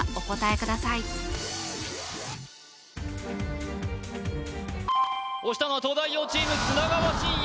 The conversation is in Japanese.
ください押したのは東大王チーム砂川信哉